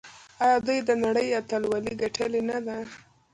آیا دوی د نړۍ اتلولي ګټلې نه ده؟